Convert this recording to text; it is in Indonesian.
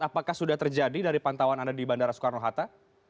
apakah sudah terjadi dari pantauan anda di bandara soekarno hatta